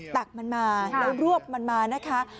ตักมันมาแล้วรวบมันมานะคะ